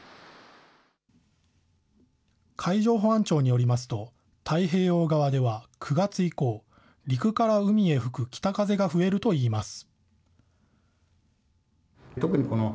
海上保安庁によりますと、太平洋側では９月以降、陸から海へ吹く北風が増えるといいます。